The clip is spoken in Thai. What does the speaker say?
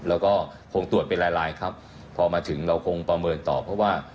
แล้วก็คงตรวจเป็นลายลายครับพอมาถึงเราคงประเมินต่อเพราะว่า